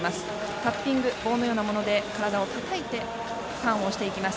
タッピング、棒のようなもので体をたたいてターンをします。